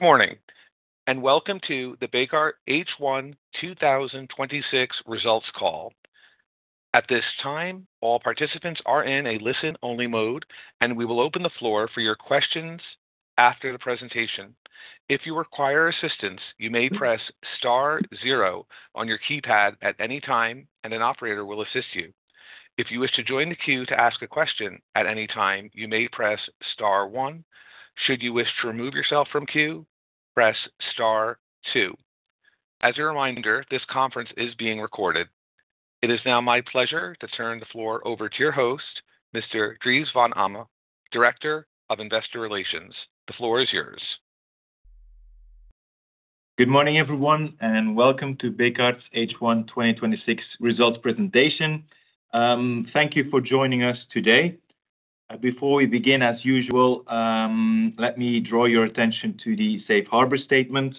Good morning, and welcome to the Bekaert H1 2026 results call. At this time, all participants are in a listen-only mode, and we will open the floor for your questions after the presentation. If you require assistance, you may press star zero on your keypad at any time and an operator will assist you. If you wish to join the queue to ask a question at any time, you may press star one. Should you wish to remove yourself from queue, press star two. As a reminder, this conference is being recorded. It is now my pleasure to turn the floor over to your host, Mr. Dries Van Hamme, Director of Investor Relations. The floor is yours. Good morning, everyone, and welcome to Bekaert's H1 2026 results presentation. Thank you for joining us today. Before we begin, as usual, let me draw your attention to the safe harbor statement.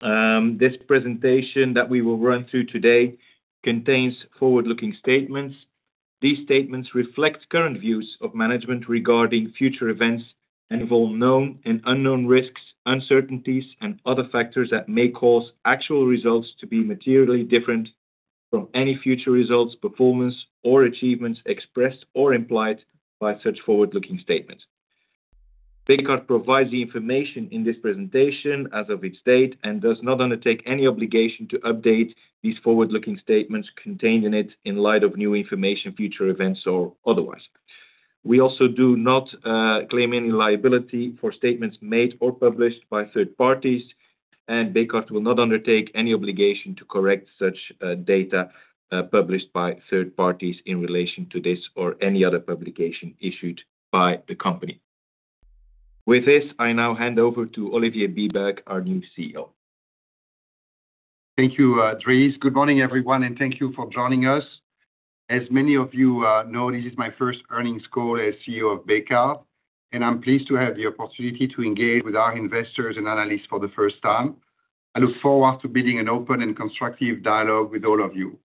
This presentation that we will run through today contains forward-looking statements. These statements reflect current views of management regarding future events and involve known and unknown risks, uncertainties, and other factors that may cause actual results to be materially different from any future results, performance, or achievements expressed or implied by such forward-looking statements. Bekaert provides the information in this presentation as of its date and does not undertake any obligation to update these forward-looking statements contained in it in light of new information, future events, or otherwise. We also do not claim any liability for statements made or published by third parties, and Bekaert will not undertake any obligation to correct such data published by third parties in relation to this or any other publication issued by the company. With this, I now hand over to Olivier Biebuyck, our new CEO. Thank you, Dries. Good morning, everyone, and thank you for joining us. As many of you know, this is my first earnings call as CEO of Bekaert, and I'm pleased to have the opportunity to engage with our investors and analysts for the first time. I look forward to building an open and constructive dialogue with all of you.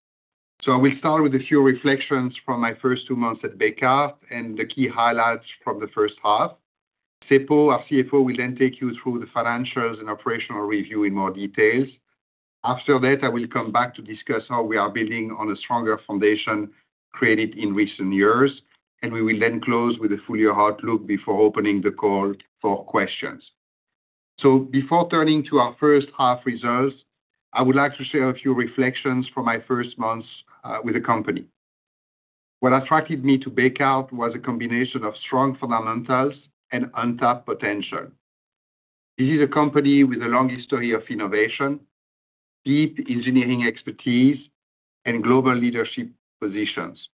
I will start with a few reflections from my first two months at Bekaert and the key highlights from the first half. Seppo, our CFO, will then take you through the financials and operational review in more details. After that, I will come back to discuss how we are building on a stronger foundation created in recent years, and we will then close with a full-year outlook before opening the call for questions. Before turning to our first half results, I would like to share a few reflections from my first months with the company. What attracted me to Bekaert was a combination of strong fundamentals and untapped potential. This is a company with a long history of innovation, deep engineering expertise, and global leadership positions.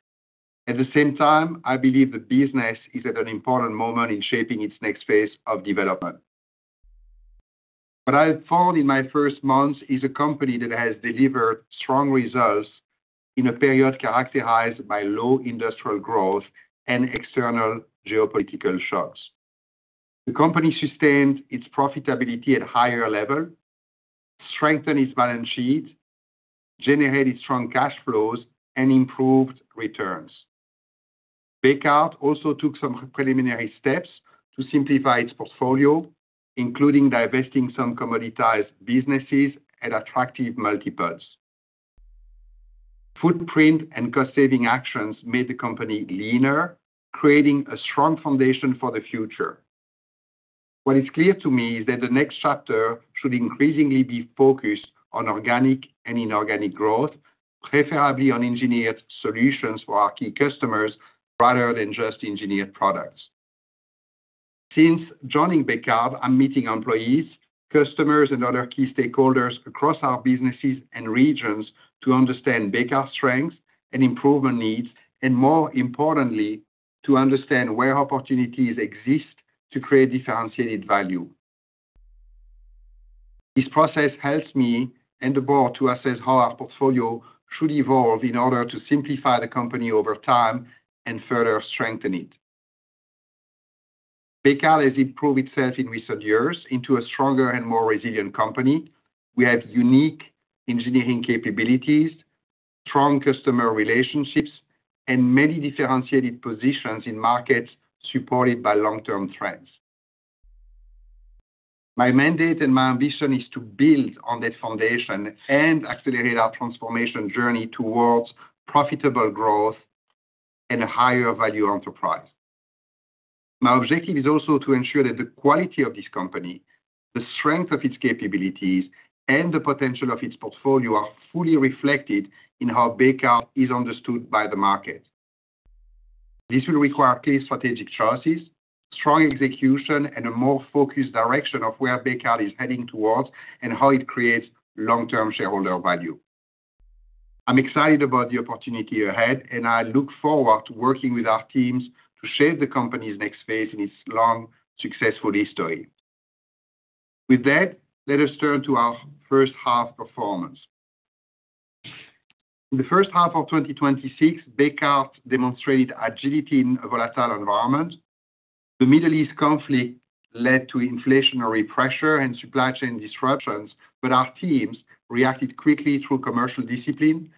At the same time, I believe the business is at an important moment in shaping its next phase of development. What I have found in my first months is a company that has delivered strong results in a period characterized by low industrial growth and external geopolitical shocks. The company sustained its profitability at higher level, strengthened its balance sheet, generated strong cash flows, and improved returns. Bekaert also took some preliminary steps to simplify its portfolio, including divesting some commoditized businesses at attractive multiples. Footprint and cost-saving actions made the company leaner, creating a strong foundation for the future. What is clear to me is that the next chapter should increasingly be focused on organic and inorganic growth, preferably on engineered solutions for our key customers rather than just engineered products. Since joining Bekaert, I am meeting employees, customers, and other key stakeholders across our businesses and regions to understand Bekaert strengths and improvement needs, and more importantly, to understand where opportunities exist to create differentiated value. This process helps me and the Board to assess how our portfolio should evolve in order to simplify the company over time and further strengthen it. Bekaert has improved itself in recent years into a stronger and more resilient company. We have unique engineering capabilities, strong customer relationships, and many differentiated positions in markets supported by long-term trends. My mandate and my ambition is to build on that foundation and accelerate our transformation journey towards profitable growth and a higher value enterprise. My objective is also to ensure that the quality of this company, the strength of its capabilities, and the potential of its portfolio are fully reflected in how Bekaert is understood by the market. This will require key strategic choices, strong execution, and a more focused direction of where Bekaert is heading towards and how it creates long-term shareholder value. I am excited about the opportunity ahead, and I look forward to working with our teams to shape the company's next phase in its long, successful history. With that, let us turn to our first half performance. In the first half of 2026, Bekaert demonstrated agility in a volatile environment. The Middle East conflict led to inflationary pressure and supply chain disruptions, but our teams reacted quickly through commercial discipline,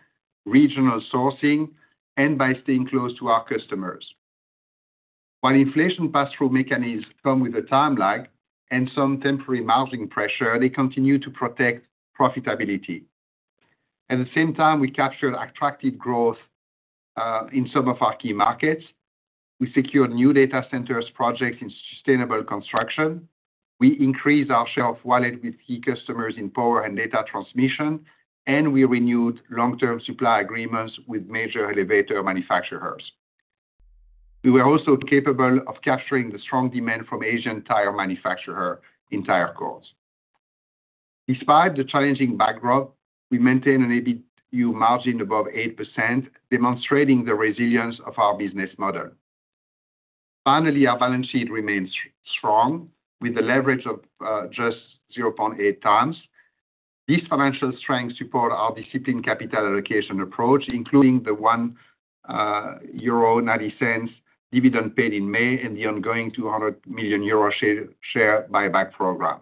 regional sourcing, and by staying close to our customers. While inflation pass-through mechanisms come with a time lag and some temporary margin pressure, they continue to protect profitability. At the same time, we captured attractive growth in some of our key markets. We secured new data centers projects in sustainable construction. We increased our share of wallet with key customers in power and data transmission, and we renewed long-term supply agreements with major elevator manufacturers. We were also capable of capturing the strong demand from Asian tire manufacturer in tire cords. Despite the challenging backdrop, we maintain an EBITU margin above 8%, demonstrating the resilience of our business model. Finally, our balance sheet remains strong with a leverage of just 0.8x. This financial strength support our disciplined capital allocation approach, including the 1.90 euro dividend paid in May and the ongoing 200 million euro share buyback program.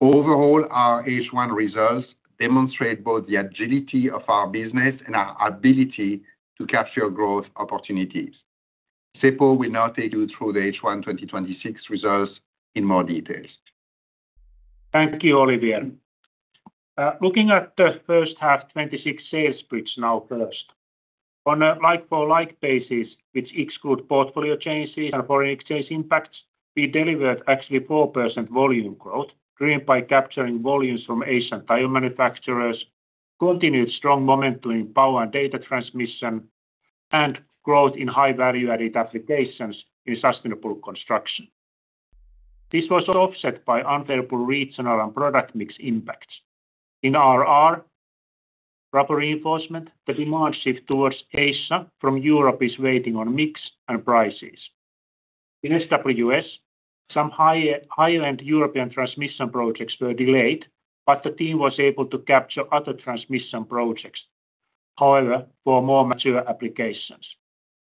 Overall, our H1 results demonstrate both the agility of our business and our ability to capture growth opportunities. Seppo will now take you through the H1 2026 results in more details. Thank you, Olivier. Looking at the first half 2026 sales bridge now first. On a like-for-like basis, which exclude portfolio changes and foreign exchange impacts, we delivered actually 4% volume growth, driven by capturing volumes from Asian tire manufacturers, continued strong momentum in power and data transmission, and growth in high value-added applications in sustainable construction. This was offset by unfavorable regional and product mix impacts. In RR, Rubber Reinforcement, the demand shift towards Asia from Europe is weighing on mix and prices. In SWS, some higher-end European transmission projects were delayed, but the team was able to capture other transmission projects, however, for more mature applications.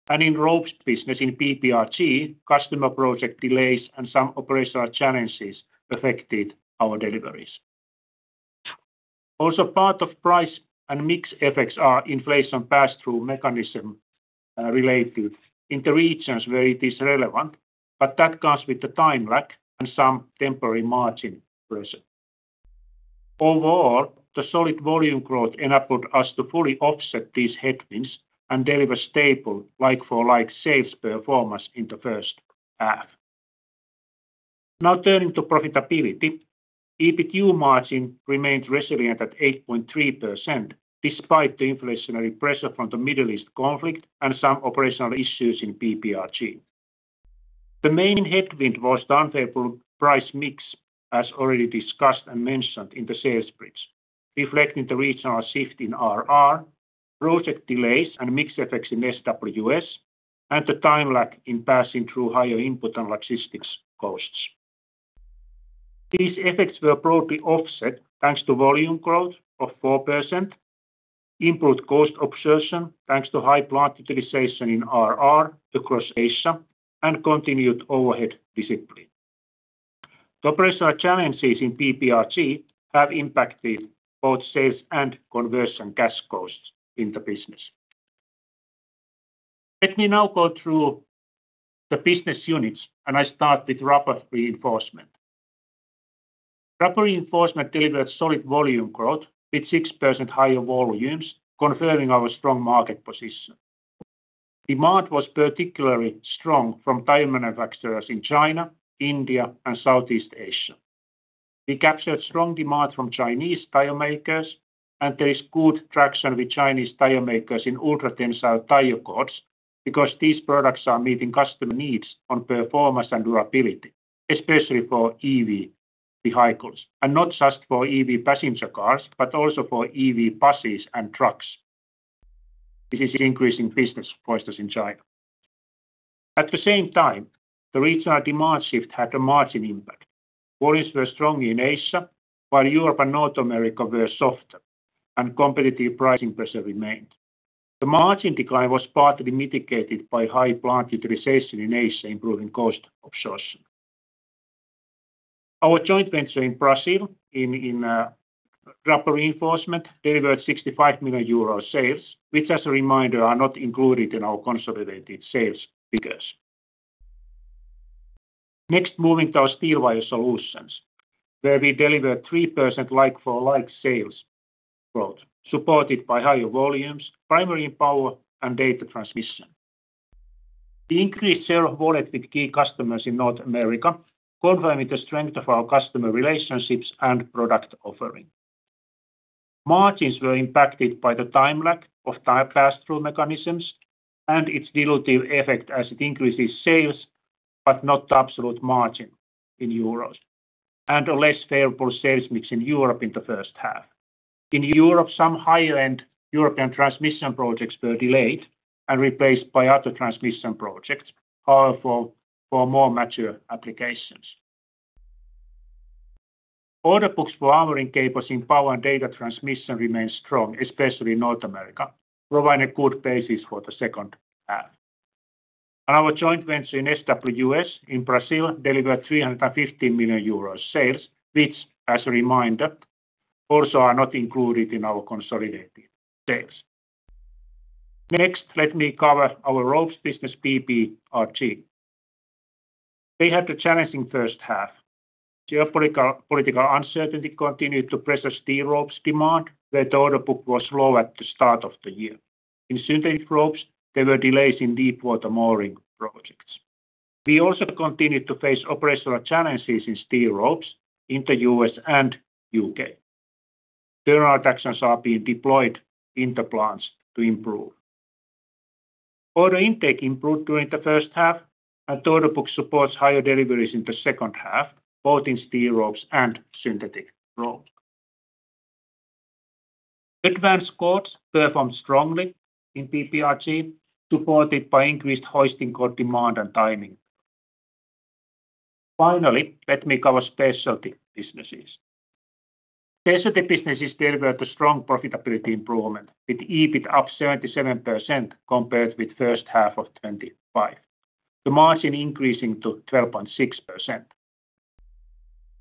In ropes business in BBRG, customer project delays and some operational challenges affected our deliveries. Also, part of price and mix effects are inflation pass-through mechanism related in the regions where it is relevant, but that comes with a time lag and some temporary margin pressure. Overall, the solid volume growth enabled us to fully offset these headwinds and deliver stable like-for-like sales performance in the first half. Now turning to profitability. EBITU margin remained resilient at 8.3%, despite the inflationary pressure from the Middle East conflict and some operational issues in BBRG. The main headwind was the unfavorable price mix, as already discussed and mentioned in the sales bridge, reflecting the regional shift in RR, project delays and mix effects in SWS, and the time lag in passing through higher input and logistics costs. These effects were broadly offset thanks to volume growth of 4%, improved cost absorption, thanks to high plant utilization in RR across Asia, and continued overhead discipline. The operational challenges in BBRG have impacted both sales and conversion cash costs in the business. Let me now go through the business units, and I start with Rubber Reinforcement. Rubber Reinforcement delivered solid volume growth with 6% higher volumes, confirming our strong market position. Demand was particularly strong from tire manufacturers in China, India, and Southeast Asia. We captured strong demand from Chinese tire makers, and there is good traction with Chinese tire makers in Ultra-Tensile tire cords because these products are meeting customer needs on performance and durability, especially for EV vehicles, and not just for EV passenger cars, but also for EV buses and trucks. This is an increasing business for us in China. At the same time, the regional demand shift had a margin impact. Volumes were strong in Asia, while Europe and North America were softer, and competitive pricing pressure remained. The margin decline was partly mitigated by high plant utilization in Asia improving cost absorption. Our joint venture in Brazil in Rubber Reinforcement delivered 65 million euro sales, which, as a reminder, are not included in our consolidated sales figures. Next, moving to our Steel Wire Solutions, where we delivered 3% like-for-like sales growth, supported by higher volumes, primarily in power and data transmission. The increased share of wallet with key customers in North America confirming the strength of our customer relationships and product offering. Margins were impacted by the time lag of tire pass-through mechanisms and its dilutive effect as it increases sales but not the absolute margin in euros, and a less favorable sales mix in Europe in the first half. In Europe, some higher-end European transmission projects were delayed and replaced by other transmission projects, however, for more mature applications. Order books for armoring cables in power and data transmission remains strong, especially in North America, providing a good basis for the second half. Our joint venture in SWS in Brazil delivered 315 million euros sales, which, as a reminder, also are not included in our consolidated sales. Next, let me cover our ropes business, BBRG. They had a challenging first half. Geopolitical uncertainty continued to pressure steel ropes demand, where the order book was low at the start of the year. In synthetic ropes, there were delays in deepwater mooring projects. We also continued to face operational challenges in steel ropes in the U.S. and U.K. Turnaround actions are being deployed in the plants to improve. Order intake improved during the first half, and the order book supports higher deliveries in the second half, both in steel ropes and synthetic ropes. Advanced Cords performed strongly in BBRG, supported by increased hoisting cord demand and timing. Finally, let me cover Specialty Businesses. Specialty Businesses delivered a strong profitability improvement, with EBIT up 77% compared with first half of 2025. The margin increasing to 12.6%.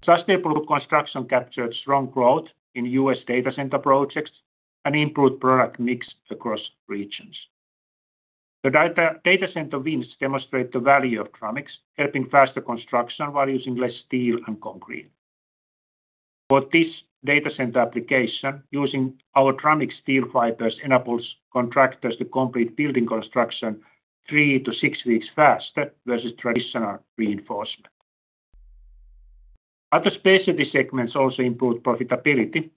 Sustainable construction captured strong growth in U.S. data center projects and improved product mix across regions. The data center wins demonstrate the value of Dramix, helping faster construction while using less steel and concrete. For this data center application, using our Dramix steel fibers enables contractors to complete building construction three to six weeks faster versus traditional reinforcement. Other specialty segments also improved profitability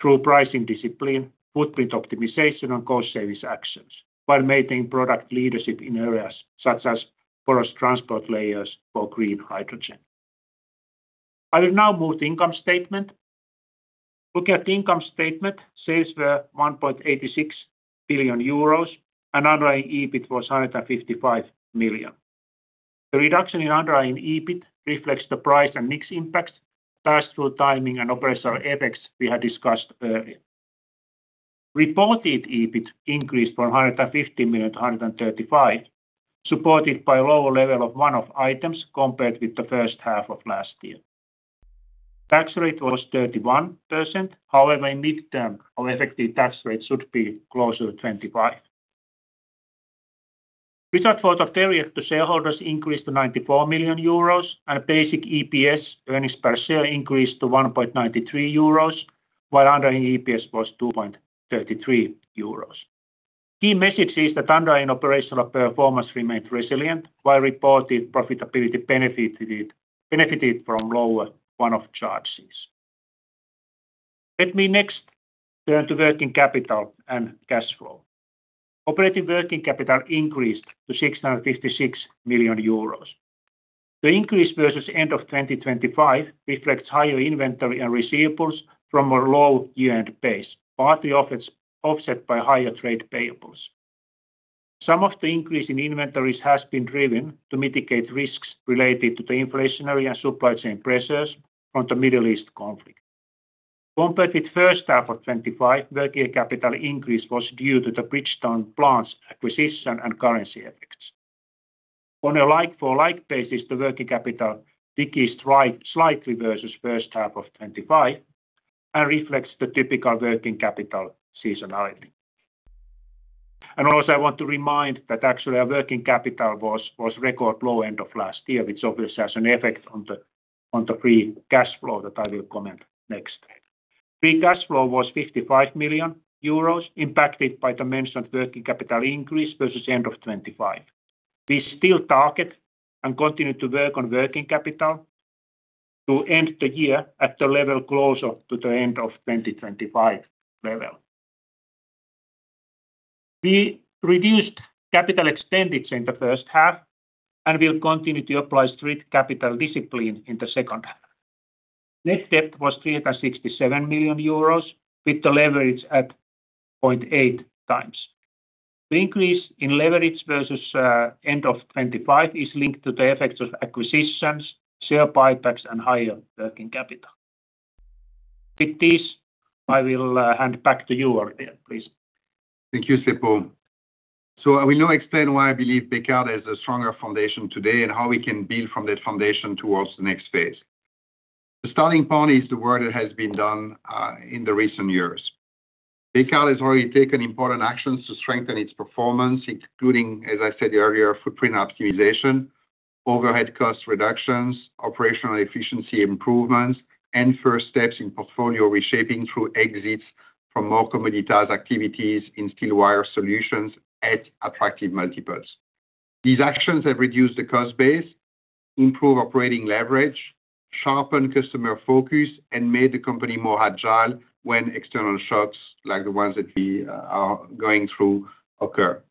through pricing discipline, footprint optimization, and cost-savings actions while maintaining product leadership in areas such as Porous Transport Layers for green hydrogen. I will now move to income statement. Looking at the income statement, sales were 1.86 billion euros, and underlying EBIT was 155 million. The reduction in underlying EBIT reflects the price and mix impacts, pass-through timing, and operational effects we had discussed earlier. Reported EBIT increased from 50 million to 135 million, supported by lower level of one-off items compared with the first half of last year. Tax rate was 31%, however in midterm our effective tax rate should be closer to 25%. Result for the period to shareholders increased to 94 million euros, and basic EPS, earnings per share, increased to 1.93 euros, while underlying EPS was 2.33 euros. Key message is that underlying operational performance remained resilient, while reported profitability benefited from lower one-off charges. Let me next turn to working capital and cash flow. Operating working capital increased to 656 million euros. The increase versus end of 2025 reflects higher inventory and receivables from a low year-end base, partly offset by higher trade payables. Some of the increase in inventories has been driven to mitigate risks related to the inflationary and supply chain pressures from the Middle East conflict. Compared with first half of 2025, working capital increase was due to the Bridgestone plants acquisition and currency effects. On a like-for-like basis, the working capital decreased slightly versus first half of 2025 and reflects the typical working capital seasonality. Also, I want to remind that actually our working capital was record low end of last year, which obviously has an effect on the free cash flow that I will comment next. Free cash flow was 55 million euros, impacted by the mentioned working capital increase versus end of 2025. We still target and continue to work on working capital to end the year at the level closer to the end of 2025 level. We reduced capital expenditures in the first half and will continue to apply strict capital discipline in the second half. Net debt was 367 million euros, with the leverage at 0.8x. The increase in leverage versus end of 2025 is linked to the effects of acquisitions, share buybacks, and higher working capital. With this, I will hand back to you, Olivier, please. Thank you, Seppo. I will now explain why I believe Bekaert has a stronger foundation today and how we can build from that foundation towards the next phase. The starting point is the work that has been done in the recent years. Bekaert has already taken important actions to strengthen its performance, including, as I said earlier, footprint optimization, overhead cost reductions, operational efficiency improvements, and first steps in portfolio reshaping through exits from more commoditized activities in Steel Wire Solutions at attractive multiples. These actions have reduced the cost base, improved operating leverage, sharpened customer focus, and made the company more agile when external shocks, like the ones that we are going through, occur.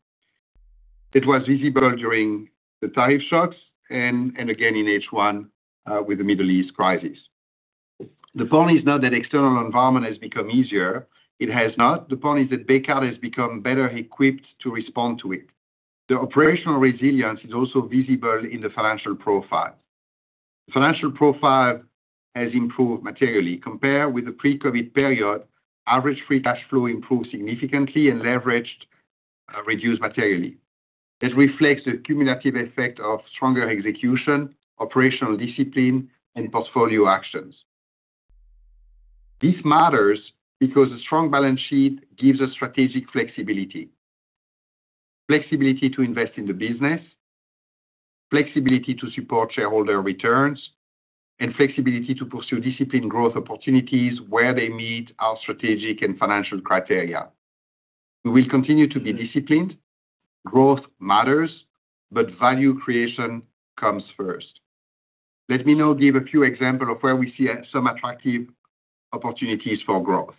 It was visible during the tariff shocks and again in H1 with the Middle East crisis. The point is not that external environment has become easier. It has not. The point is that Bekaert has become better equipped to respond to it. The operational resilience is also visible in the financial profile. Financial profile has improved materially. Compared with the pre-COVID period, average free cash flow improved significantly, and leverage reduced materially. This reflects the cumulative effect of stronger execution, operational discipline, and portfolio actions. This matters because a strong balance sheet gives us strategic flexibility. Flexibility to invest in the business, flexibility to support shareholder returns, and flexibility to pursue disciplined growth opportunities where they meet our strategic and financial criteria. We will continue to be disciplined. Growth matters, but value creation comes first. Let me now give a few example of where we see some attractive opportunities for growth.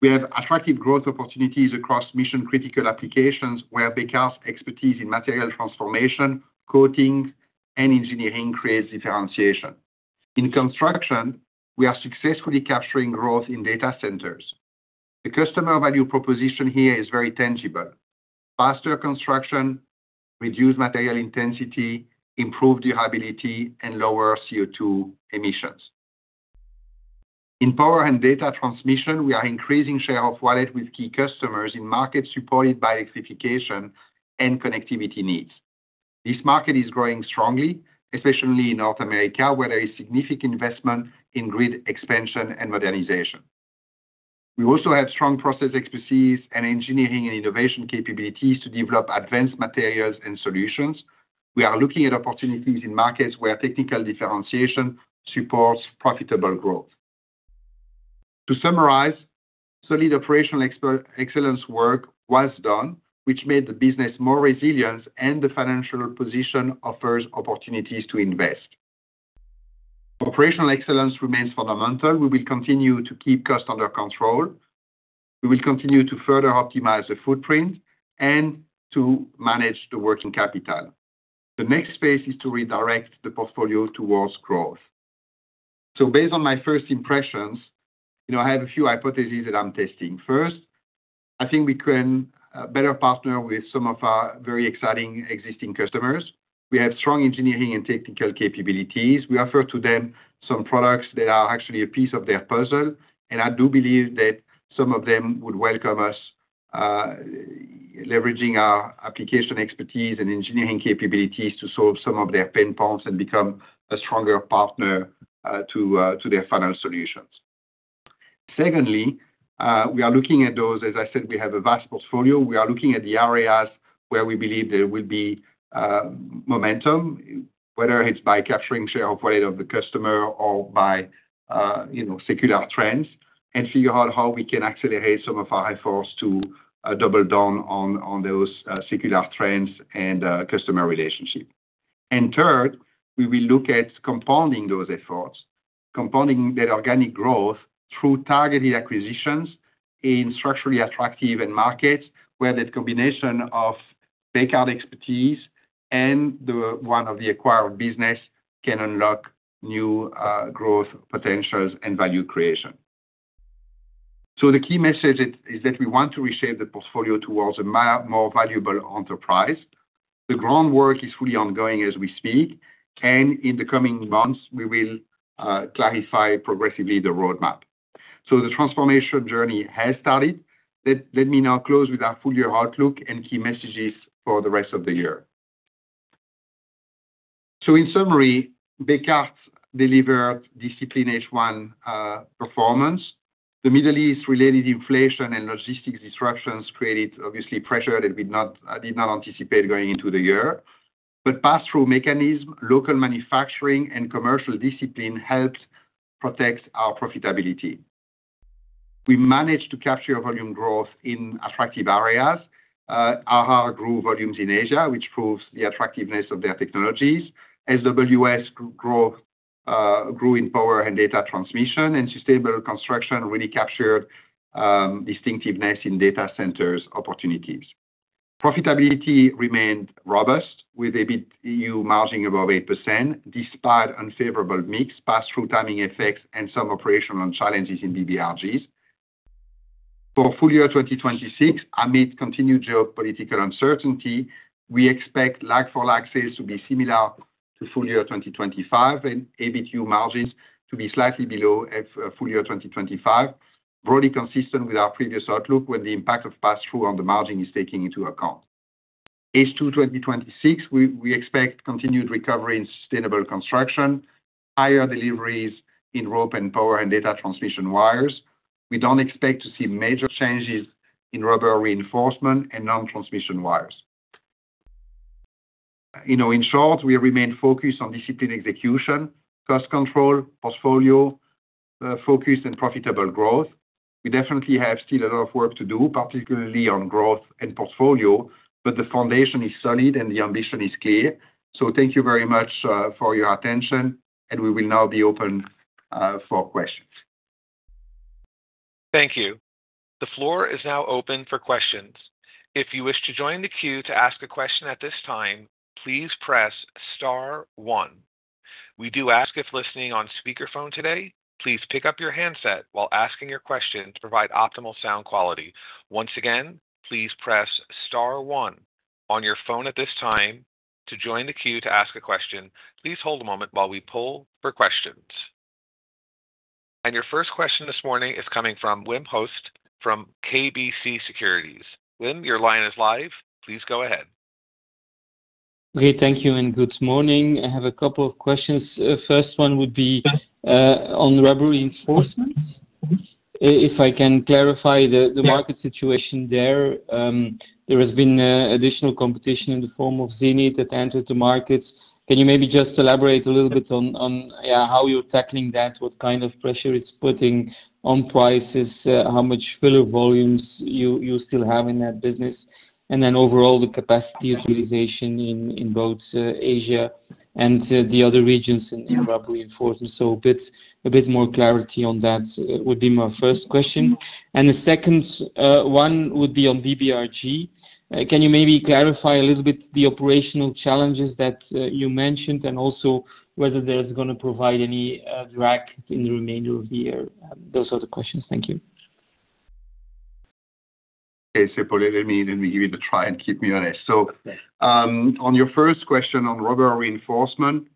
We have attractive growth opportunities across mission-critical applications where Bekaert's expertise in material transformation, coating, and engineering creates differentiation. In construction, we are successfully capturing growth in data centers. The customer value proposition here is very tangible. Faster construction, reduced material intensity, improved durability, and lower CO2 emissions. In power and data transmission, we are increasing share of wallet with key customers in markets supported by electrification and connectivity needs. This market is growing strongly, especially in North America, where there is significant investment in grid expansion and modernization. We also have strong process expertise and engineering and innovation capabilities to develop advanced materials and solutions. We are looking at opportunities in markets where technical differentiation supports profitable growth. To summarize, solid operational excellence work was done, which made the business more resilient, and the financial position offers opportunities to invest. Operational excellence remains fundamental. We will continue to keep costs under control. We will continue to further optimize the footprint and to manage the working capital. The next phase is to redirect the portfolio towards growth. Based on my first impressions, I have a few hypotheses that I'm testing. First, I think we can better partner with some of our very exciting existing customers. We have strong engineering and technical capabilities. We offer to them some products that are actually a piece of their puzzle, and I do believe that some of them would welcome us leveraging our application expertise and engineering capabilities to solve some of their pain points and become a stronger partner to their final solutions. Secondly, we are looking at those, as I said, we have a vast portfolio. We are looking at the areas where we believe there will be momentum, whether it's by capturing share of wallet of the customer or by secular trends, and figure out how we can accelerate some of our efforts to double down on those secular trends and customer relationship. Third, we will look at compounding those efforts, compounding that organic growth through targeted acquisitions in structurally attractive end markets where that combination of Bekaert expertise and the one of the acquired business can unlock new growth potentials and value creation. The key message is that we want to reshape the portfolio towards a more valuable enterprise. The groundwork is fully ongoing as we speak, and in the coming months, we will clarify progressively the roadmap. The transformation journey has started. Let me now close with our full-year outlook and key messages for the rest of the year. In summary, Bekaert delivered disciplined H1 performance. The Middle East-related inflation and logistics disruptions created obviously pressure that we did not anticipate going into the year, but pass-through mechanism, local manufacturing, and commercial discipline helped protect our profitability. We managed to capture volume growth in attractive areas. BBRG grew volumes in Asia, which proves the attractiveness of their technologies. SWS grew in power and data transmission, and sustainable construction really captured distinctiveness in data centers opportunities. Profitability remained robust, with EBITU margin above 8%, despite unfavorable mix, pass-through timing effects, and some operational challenges in BBRGs. For full year 2026, amid continued geopolitical uncertainty, we expect like-for-like sales to be similar to full year 2025 and EBITU margins to be slightly below full year 2025, broadly consistent with our previous outlook with the impact of pass-through on the margin is taking into account. H2 2026, we expect continued recovery in sustainable construction, higher deliveries in rope and power and data transmission wires. We don't expect to see major changes in Rubber Reinforcement and non-transmission wires. In short, we remain focused on disciplined execution, cost control, portfolio focus, and profitable growth. We definitely have still a lot of work to do, particularly on growth and portfolio, but the foundation is solid and the ambition is clear. Thank you very much for your attention, and we will now be open for questions. Thank you. The floor is now open for questions. If you wish to join the queue to ask a question at this time, please press star one. We do ask if listening on speaker phone today, please pick up your handset while asking your question to provide optimal sound quality. Once again, please press star one on your phone at this time to join the queue to ask a question. Please hold a moment while we poll for questions. Your first question this morning is coming from Wim Hoste from KBC Securities. Wim, your line is live. Please go ahead. Okay, thank you, and good morning. I have a couple of questions. First one would be- Yeah. ...on Rubber Reinforcement. If I can clarify the market situation there has been additional competition in the form of Zenith that entered the market. Can you maybe just elaborate a little bit on how you're tackling that, what kind of pressure it's putting on prices, how much filler volumes you still have in that business? And then overall, the capacity utilization in both Asia and the other regions in Rubber Reinforcement. A bit more clarity on that would be my first question. The second one would be on BBRG, can you maybe clarify a little bit the operational challenges that you mentioned, and also whether that is going to provide any drag in the remainder of the year? Those are the questions. Thank you. Okay. Let me give it a try, and keep me honest. On your first question on Rubber Reinforcement,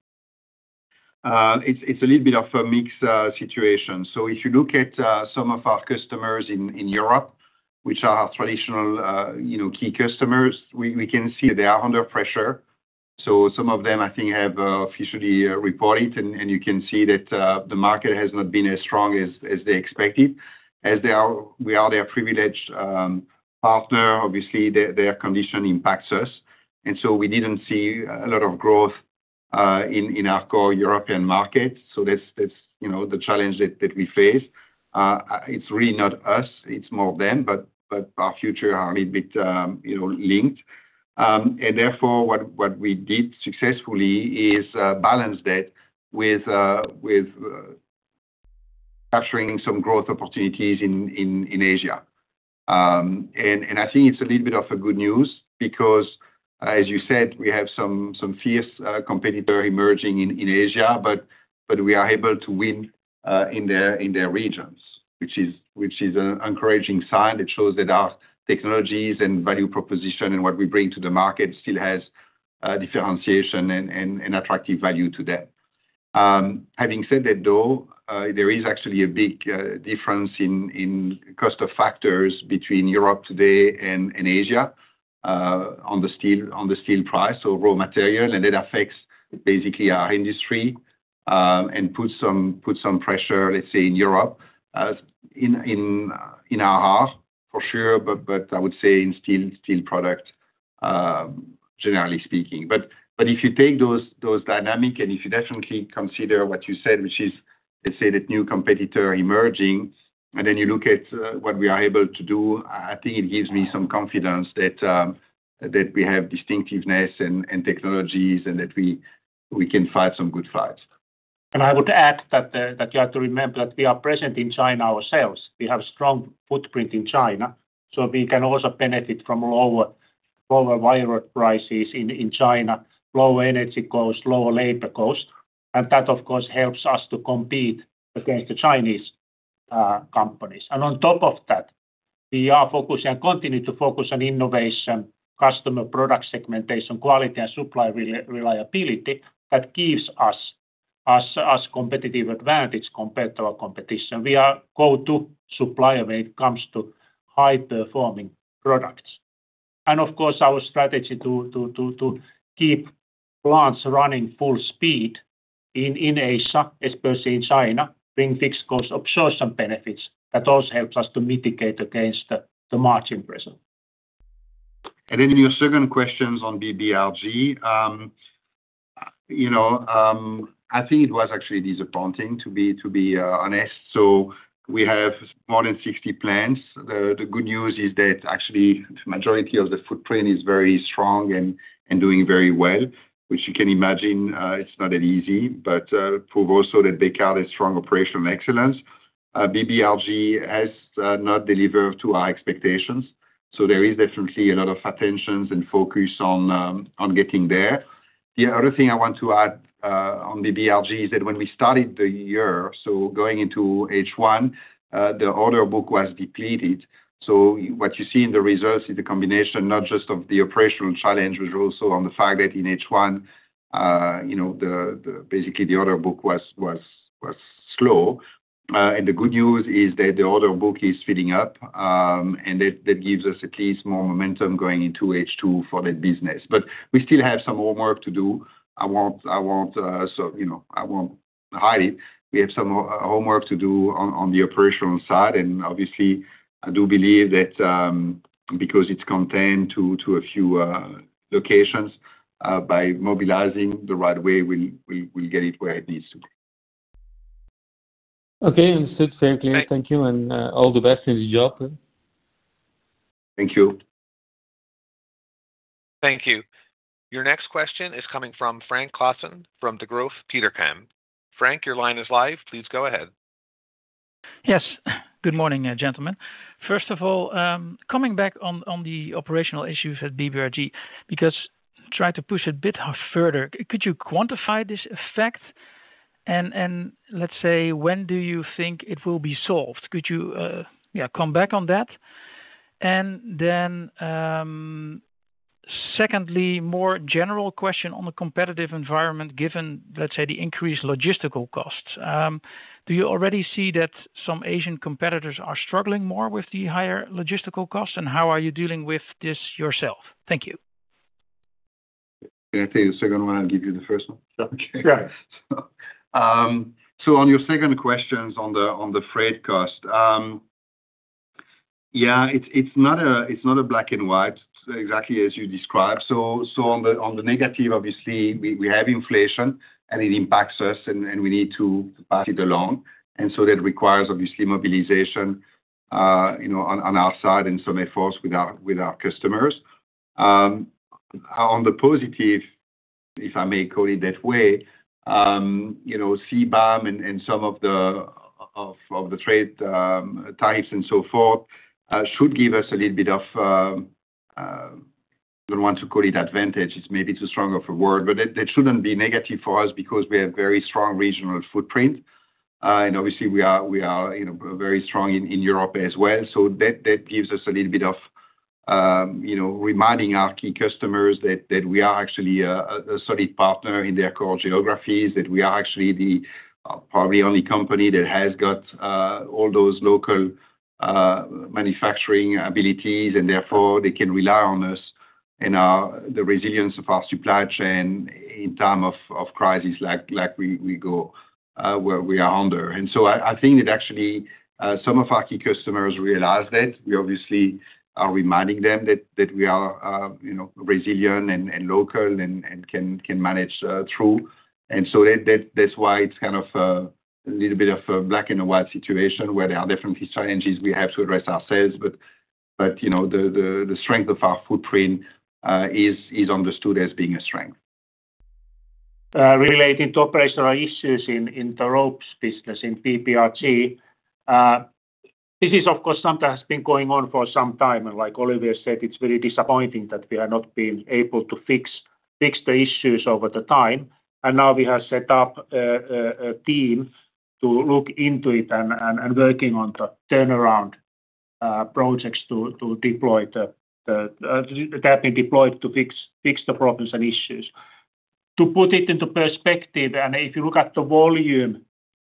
it's a little bit of a mixed situation. If you look at some of our customers in Europe, which are our traditional key customers, we can see they are under pressure. Some of them, I think, have officially reported, and you can see that the market has not been as strong as they expected. As now, we are their privileged partner, obviously, their condition impacts us, and so we didn't see a lot of growth in our core European market, so that's the challenge that we face. It's really not us, it's more them, but our future are a little bit linked. Therefore, what we did successfully is balance that with capturing some growth opportunities in Asia. I think it's a little bit of a good news because, as you said, we have some fierce competitor emerging in Asia but we are able to win in their regions, which is an encouraging sign that shows that our technologies and value proposition and what we bring to the market still has differentiation and attractive value to them. Having said that, though, there is actually a big difference in cost of factors between Europe today and Asia on the steel price, so raw material, and that affects basically our industry, and puts some pressure, let's say, in Europe, in our half for sure, but I would say in steel product, generally speaking. If you take those dynamic and if you definitely consider what you said, which is, let's say that new competitor emerging, and then you look at what we are able to do, I think it gives me some confidence that we have distinctiveness and technologies and that we can fight some good fights. I would add that you have to remember that we are present in China ourselves. We have strong footprint in China, so we can also benefit from lower wire prices in China, lower energy cost, lower labor cost, and that, of course, helps us to compete against the Chinese companies. On top of that, we are focused and continue to focus on innovation, customer product segmentation, quality and supply reliability. That gives us competitive advantage compared to our competition. We are go-to supplier when it comes to high-performing products. Of course, our strategy to keep plants running full speed in Asia, especially in China, bring fixed cost of social benefits. That also helps us to mitigate against the margin pressure. Your second question on BBRG. I think it was actually disappointing, to be honest, so we have more than 60 plants. The good news is that actually the majority of the footprint is very strong and doing very well, which you can imagine, it's not that easy but proves also that Bekaert is strong operational excellence. BBRG has not delivered to our expectations. There is definitely a lot of attention and focus on getting there. The other thing I want to add on BBRG is that when we started the year, so going into H1, the order book was depleted. What you see in the results is a combination, not just of the operational challenges, but also on the fact that in H1 basically the order book was slow. The good news is that the order book is filling up, and that gives us at least more momentum going into H2 for that business. We still have some homework to do. I won't hide it. We have some homework to do on the operational side. I do believe that because it's contained to a few locations, by mobilizing the right way, we'll get it where it needs to be. Okay. Understood. Fair. Thanks. Thank you, and all the best in the job. Thank you. Thank you. Your next question is coming from Frank Claassen from Degroof Petercam. Frank, your line is live. Please go ahead. Yes. Good morning, gentlemen. First of all, coming back on the operational issues at BBRG, because try to push a bit further, could you quantify this effect? Let's say, when do you think it will be solved? Could you come back on that? And then secondly, more general question on the competitive environment given, let's say, the increased logistical costs, do you already see that some Asian competitors are struggling more with the higher logistical costs and how are you dealing with this yourself? Thank you. Can I take the second one? I'll give you the first one. Okay. On your second question on the freight cost, it is not a black and white exactly as you described. On the negative, obviously, we have inflation, and it impacts us, and we need to pass it along. That requires, obviously, mobilization on our side and some efforts with our customers. On the positive, if I may call it that way, CBAM and some of the trade tariffs and so forth, should give us a little bit of, don't want to call it advantage, it is maybe too strong of a word, but that shouldn't be negative for us because we have very strong regional footprint and obviously we are very strong in Europe as well. That gives us a little bit of reminding our key customers that we are actually a solid partner in their core geographies, that we are actually the probably only company that has got all those local manufacturing abilities, and therefore they can rely on us and the resilience of our supply chain in time of crisis like we wo where we are under. I think that actually some of our key customers realize that we obviously are reminding them that we are resilient and local and can manage through. That is why it is kind of a little bit of a black and white situation where there are definitely challenges we have to address ourselves. The strength of our footprint is understood as being a strength. Related to operational issues in the ropes business in BBRG, this is, of course, something that has been going on for some time, and like Olivier said, it is very disappointing that we have not been able to fix the issues over time. Now we have set up a team to look into it and working on the turnaround projects that have been deployed to fix the problems and issues. To put it into perspective, if you look at the volume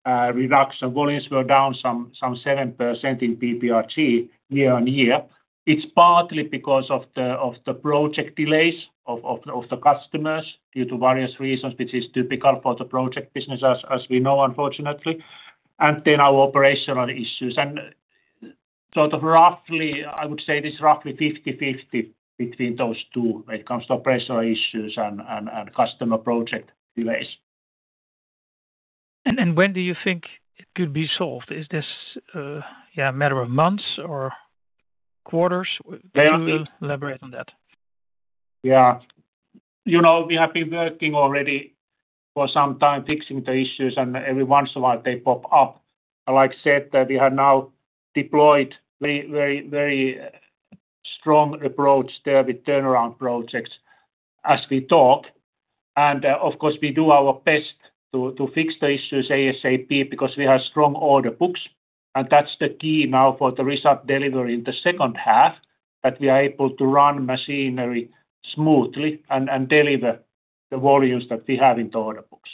reduction, volumes were down some 7% in BBRG year-on-year. It is partly because of the project delays of the customers due to various reasons, which is typical for the project business as we know, unfortunately and our operational issues segement. Roughly, I would say this is roughly 50/50 between those two when it comes to operational issues and customer project delays. And then when do you think it could be solved? Is this a matter of months or quarters? Maybe elaborate on that. Yeah. We have been working already for some time fixing the issues and every once in a while they pop up. Like I said, that we have now deployed very strong approach there with turnaround projects as we talk. Of course, we do our best to fix the issues ASAP because we have strong order books, and that's the key now for the result delivery in the second half, that we are able to run machinery smoothly and deliver the volumes that we have in the order books.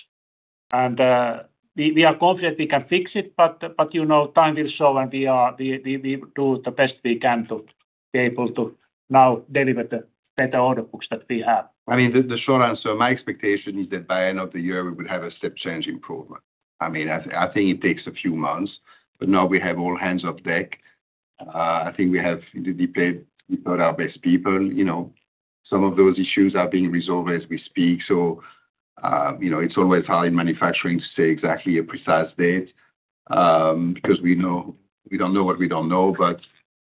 We are confident we can fix it, but time will show, and we do the best we can to be able to now deliver the better order books that we have. The short answer, my expectation is that by end of the year, we would have a step change improvement. I think it takes a few months, but now we have all hands on deck. I think we have deployed our best people. Some of those issues are being resolved as we speak. It's always hard in manufacturing to say exactly a precise date, because we don't know what we don't know but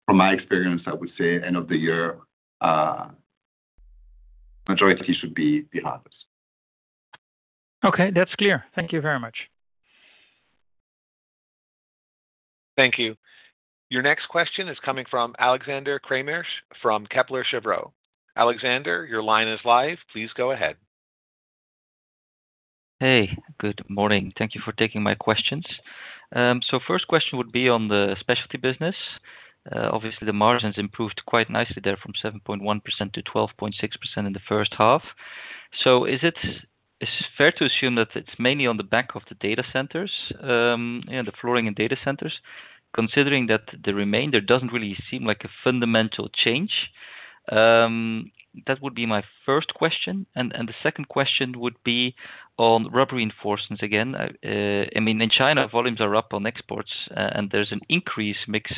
from my experience, I would say end of the year, majority should be behind us. Okay, that's clear. Thank you very much. Thank you. Your next question is coming from Alexander Craeymeersch from Kepler Cheuvreux. Alexander, your line is live. Please go ahead. Hey, good morning. Thank you for taking my questions. First question would be on the Specialty Business. Obviously, the margins improved quite nicely there from 7.1% to 12.6% in the first half. Is it fair to assume that it's mainly on the back of the data centers, the flooring and data centers? Considering that the remainder doesn't really seem like a fundamental change. That would be my first question. The second question would be on Rubber Reinforcement again. In China, volumes are up on exports, and there's an increase mix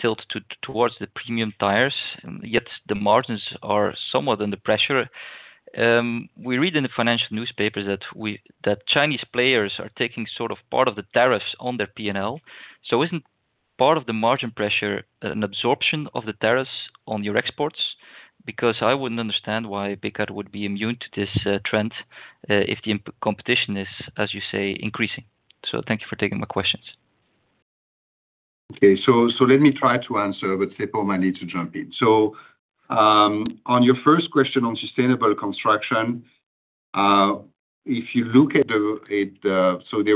tilt towards the premium tires, and yet the margins are somewhat under pressure. We read in the financial newspapers that Chinese players are taking sort of part of the tariffs on their P&L. Isn't part of the margin pressure an absorption of the tariffs on your exports because I wouldn't understand why Bekaert would be immune to this trend if the competition is, as you say, increasing. Thank you for taking my questions. Let me try to answer, but Seppo might need to jump in. On your first question on sustainable construction, so there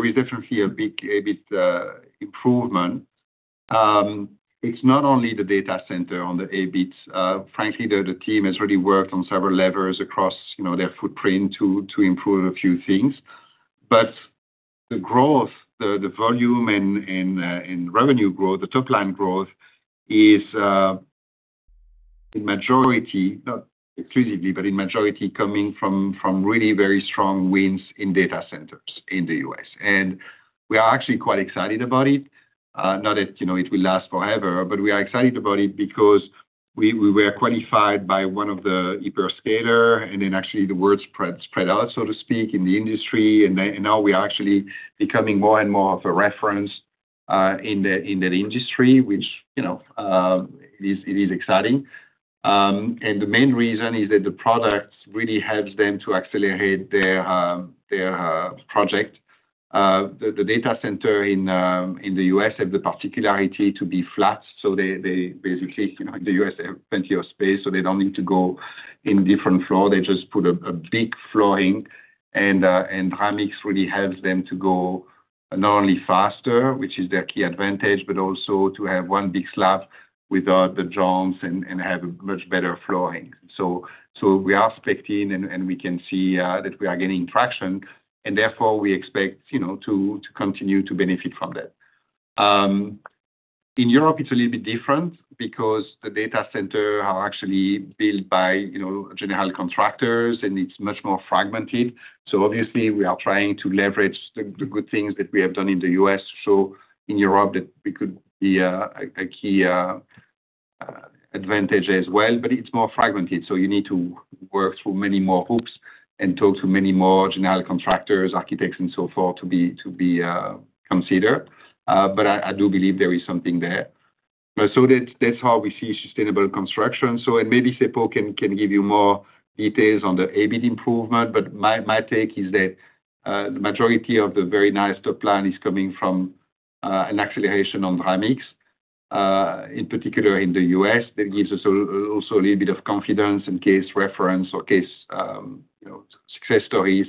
is definitely a big improvement. It's not only the data center on the EBIT. Frankly, the team has really worked on several levers across their footprint to improve a few things. But the growth, the volume and revenue growth, the top-line growth is in majority, not exclusively, but in majority coming from really very strong wins in data centers in the U.S. And we are actually quite excited about it, not that it will last forever, but we are excited about it because we were qualified by one of the hyperscaler, and then actually the word spread out, so to speak, in the industry and maybe now we are actually becoming more and more of a reference in that industry, which it is exciting. The main reason is that the products really helps them to accelerate their project. The data center in the U.S. have the particularity to be flat. They basically, in the U.S., they have plenty of space, so they don't need to go in different floor. They just put a big flooring, and Dramix really helps them to go not only faster, which is their key advantage, but also to have one big slab without the joints and have a much better flooring. We are expecting, and we can see that we are getting traction, and therefore we expect to continue to benefit from that. In Europe it's a little bit different because the data center are actually built by general contractors, and it's much more fragmented. Obviously we are trying to leverage the good things that we have done in the U.S. In Europe that could be a key advantage as well, but it's more fragmented, so you need to work through many more hoops and talk to many more general contractors, architects and so forth to be considered but I do believe there is something there. That's how we see sustainable construction. Maybe Seppo can give you more details on the EBIT improvement but my take is that the majority of the very nice top line is coming from an acceleration on Dramix, in particular in the U.S. That gives us also a little bit of confidence in case reference or case success stories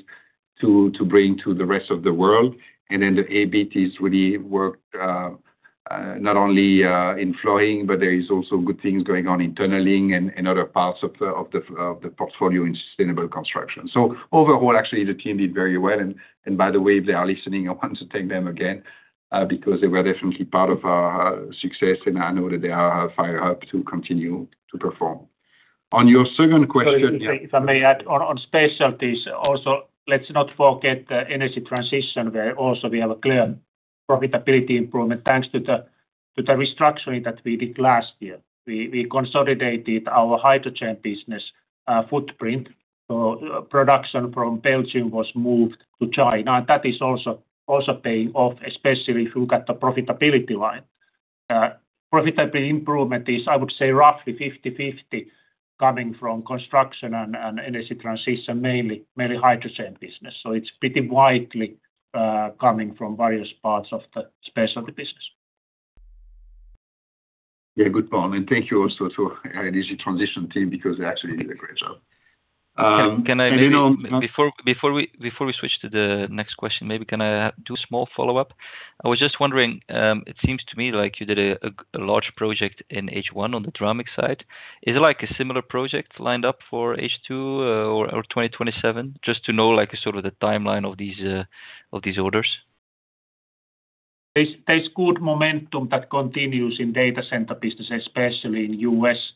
to bring to the rest of the world. The EBIT has really worked not only in flooring, but there is also good things going on in tunneling and other parts of the portfolio in sustainable construction. Overall, actually the team did very well. By the way, if they are listening, I want to thank them again because they were definitely part of our success, and I know that they are fired up to continue to perform. On your second question- If I may add on specialties also, let's not forget the energy transition, where also we have a clear profitability improvement, thanks to the restructuring that we did last year. We consolidated our hydrogen business footprint. Production from Belgium was moved to China. That is also paying off, especially if you look at the profitability line. Profitability improvement is, I would say roughly 50/50 coming from construction and energy transition, mainly hydrogen business so it's pretty widely coming from various parts of the Specialty Business. Yeah, good point. Thank you also to energy transition team, because they actually did a great job. Can I- You know. Before we switch to the next question, maybe can I do a small follow-up? I was just wondering, it seems to me like you did a large project in H1 on the Dramix side. Is it like a similar project lined up for H2 or 2027 just to know sort of the timeline of these orders? There's good momentum that continues in data center business, especially in U.S.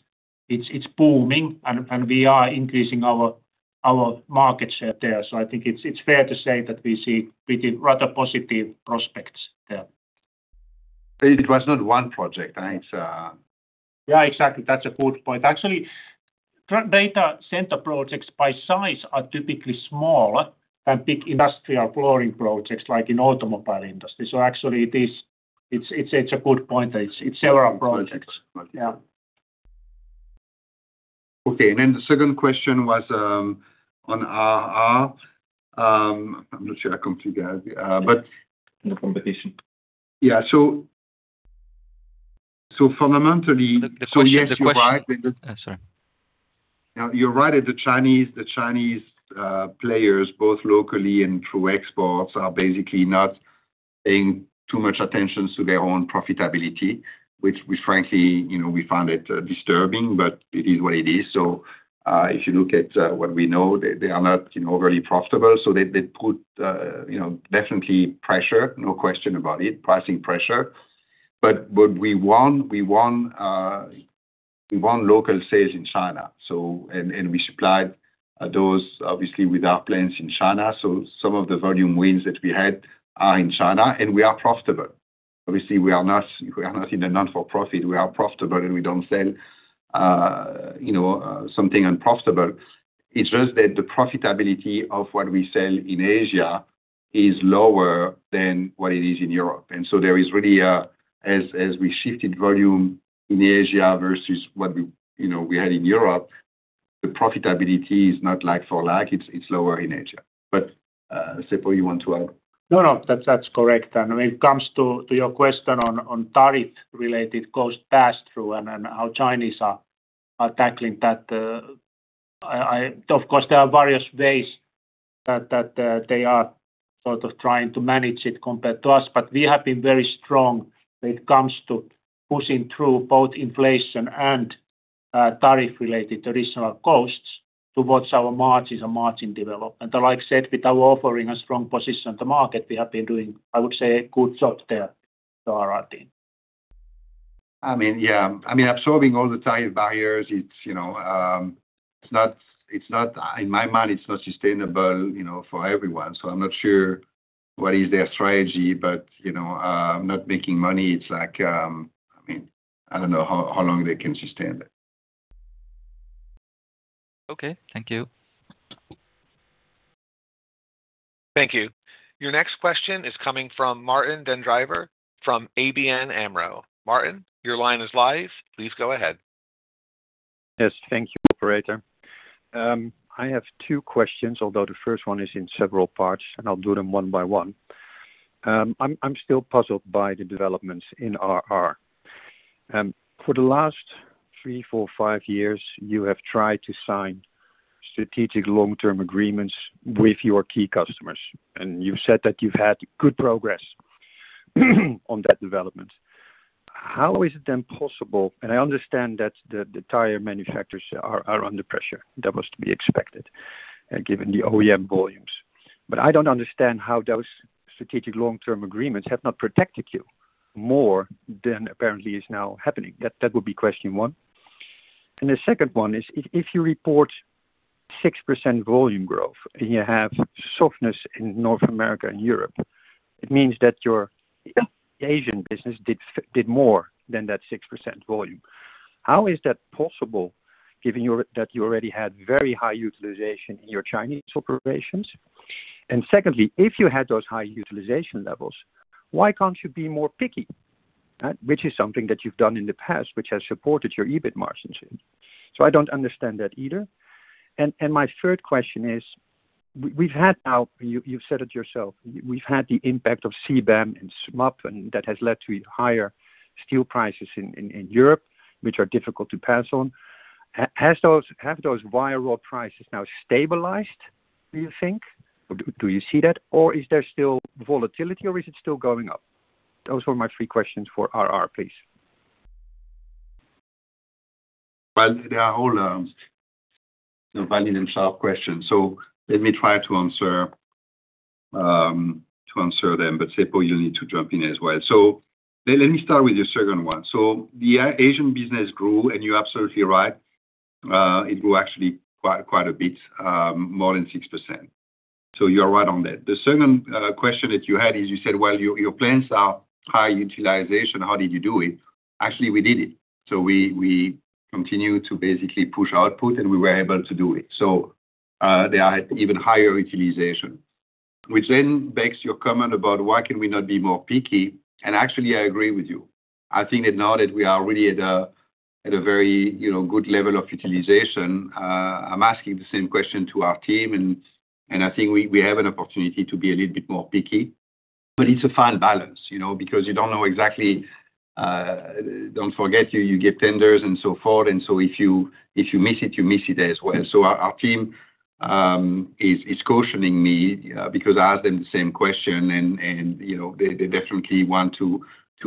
It's booming, and we are increasing our market share there, so I think it's fair to say that we see pretty rather positive prospects there. It was not one project. I think it's a- Yeah, exactly. That's a good point. Actually, data center projects by size are typically small than big industrial flooring projects like in automobile industry. Actually, it's a good point that it's several projects. Several projects. Yeah. Okay. Then the second question was on RR. I'm not sure I completely got the- But no competition. Yeah. So Fundamentally- The question- Yes, you're right with the- Sorry. You're right that the Chinese players, both locally and through exports, are basically not paying too much attention to their own profitability, which we frankly, we find it disturbing, but it is what it is. If you look at what we know, they are not very profitable. They put definitely pressure, no question about it, pricing pressure. What we won local sales in China, and we supplied those obviously with our plants in China. Some of the volume wins that we had are in China, and we are profitable. Obviously we are not in the not for profit. We are profitable, and we don't sell something unprofitable. It's just that the profitability of what we sell in Asia is lower than what it is in Europe. There is really a, as we shifted volume in Asia versus what we had in Europe, the profitability is not like for like, it's lower in Asia. Seppo, you want to add? No, that's correct. When it comes to your question on tariff related cost pass through and how Chinese are tackling that, of course, there are various ways that they are sort of trying to manage it compared to us. We have been very strong when it comes to pushing through both inflation and tariff-related additional costs towards our margins and margin development. Like I said, with our offering a strong position at the market, we have been doing, I would say, good jobs there with our team. I mean, yeah. Absorbing all the tariff barriers, in my mind, it's not sustainable for everyone. I'm not sure what is their strategy, but not making money, it's like, I don't know how long they can sustain that. Okay. Thank you. Thank you. Your next question is coming from Martijn Den Drijver from ABN AMRO. Martijn, your line is live. Please go ahead. Yes. Thank you, operator. I have two questions, although the first one is in several parts, I'll do them one by one. I'm still puzzled by the developments in RR. For the last three, four, five years, you have tried to sign strategic long-term agreements with your key customers, and you've said that you've had good progress on that development. How is it then possible, and I understand that the tire manufacturers are under pressure. That was to be expected, given the OEM volumes. I don't understand how those strategic long-term agreements have not protected you more than apparently is now happening. That would be question one. The second one is, if you report 6% volume growth and you have softness in North America and Europe, it means that your Asian business did more than that 6% volume. How is that possible given that you already had very high utilization in your Chinese operations? And secondly, if you had those high utilization levels, why can't you be more picky which is something that you've done in the past, which has supported your EBIT margins? So I don't understand that either. And my third question is, we've had now, you've said it yourself, we've had the impact of CBAM and SMAP, and that has led to higher steel prices in Europe, which are difficult to pass on. Have those wire rod prices now stabilized, do you think? Do you see that, or is there still volatility, or is it still going up? Those were my three questions for RR, please. They are all valid in itself questions, so let me try to answer them, but Seppo, you will need to jump in as well. So let me start with your second one so the Asian business grew, and you are absolutely right. It grew actually quite a bit, more than 6%, so you are right on that. The second question that you had is you said, well, your plants are high utilization, how did you do it? Actually, we did it. So we continue to basically push output, and we were able to do it. There are even higher utilization, which then begs your comment about why can we not be more picky and actually, I agree with you. I think that now that we are really at a very good level of utilization, I'm asking the same question to our team, and I think we have an opportunity to be a little bit more picky but it's a fine balance, because you don't know exactly. Don't forget, you get tenders and so forth, and so if you miss it, you miss it there as well. So our team is cautioning me because I ask them the same question, and they definitely want to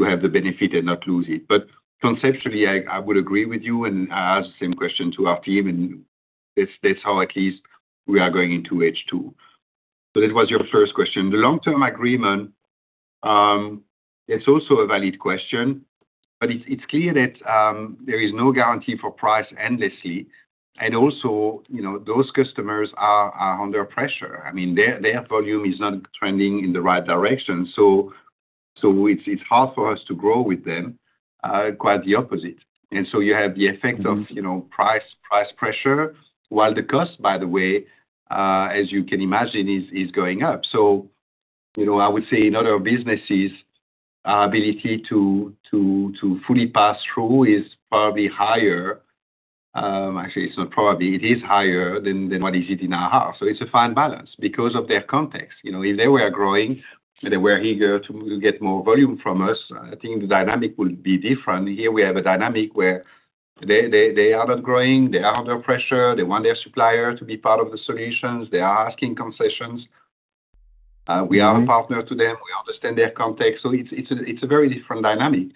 have the benefit and not lose it. Conceptually, I would agree with you, and I ask the same question to our team, and that's how at least we are going into H2. That was your first question. The long-term agreement, it's also a valid question, it's clear that there is no guarantee for price endlessly. Also, those customers are under pressure. I mean, their volume is not trending in the right direction. It's hard for us to grow with them, quite the opposite. You have the effect of price pressure, while the cost, by the way, as you can imagine, is going up. I would say in other businesses, our ability to fully pass through is probably higher. Actually, it's not probably, it is higher than what is it in RR. It's a fine balance because of their context. If they were growing and they were eager to get more volume from us, I think the dynamic will be different. Here we have a dynamic where they are not growing, they are under pressure, they want their supplier to be part of the solutions. They are asking concessions. We are a partner to them. We understand their context. It's a very different dynamic.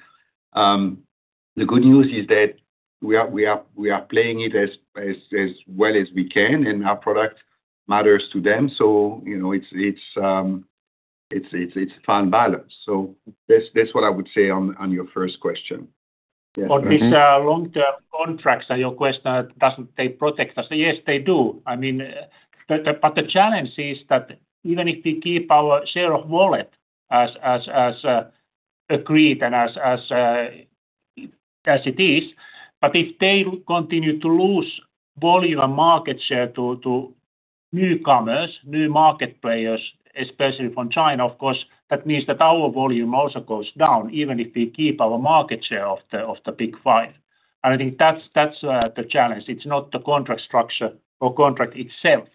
The good news is that we are playing it as well as we can, and our product matters to them. It's a fine balance. That's what I would say on your first question. On these long-term contracts, your question, doesn't they protect us? Yes, they do. The challenge is that even if we keep our share of wallet as agreed and as it is, but if they continue to lose volume and market share to newcomers, new market players, especially from China, of course, that means that our volume also goes down, even if we keep our market share of the Big Five. I think that's the challenge. It's not the contract structure or contract itself.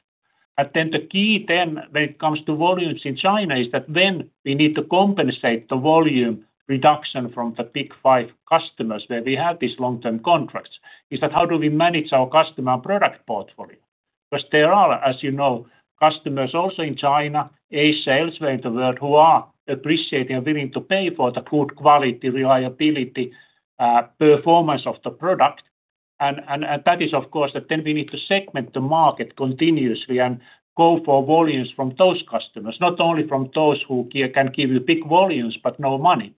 The key then when it comes to volumes in China is that then we need to compensate the volume reduction from the Big Five customers where we have these long-term contracts. Is that how do we manage our customer and product portfolio? There are, as you know, customers also in China, Asia elsewhere in the world, who are appreciating and willing to pay for the good quality, reliability, performance of the product. That is, of course, that then we need to segment the market continuously and go for volumes from those customers, not only from those who can give you big volumes, but no money.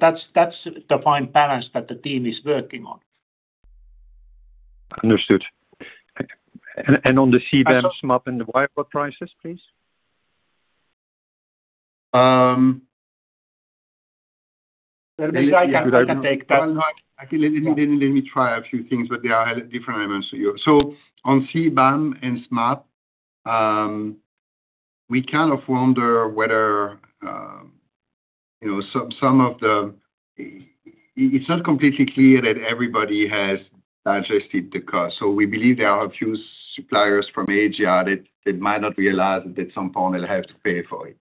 That's the fine balance that the team is working on. Understood. On the CBAM, SMAP, and the wire rod prices, please. Maybe I can take that. Let me try a few things, but there are different elements to you. On CBAM and SMAP, we kind of wonder whether it's not completely clear that everybody has digested the cost. We believe there are a few suppliers from Asia that might not realize that at some point they'll have to pay for it.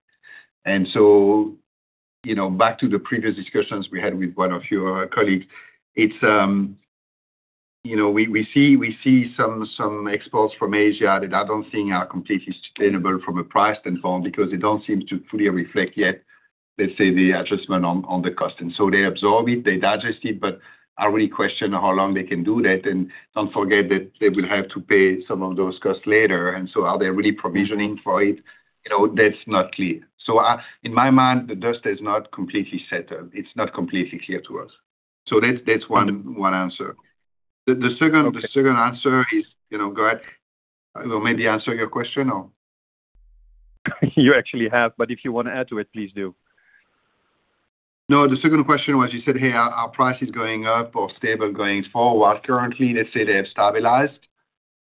Back to the previous discussions we had with one of your colleagues, we see some exports from Asia that I don't think are completely sustainable from a price standpoint, because they don't seem to fully reflect yet, let's say, the adjustment on the cost. They absorb it, they digest it, but I really question how long they can do that. Don't forget that they will have to pay some of those costs later. Are they really provisioning for it? That's not clear. In my mind, the dust has not completely settled. It's not completely clear to us. That's one answer. The second answer is, go ahead. Maybe answer your question or- You actually have, if you want to add to it, please do. The second question was, you said, hey, are prices going up or stable going forward? Currently, let's say they have stabilized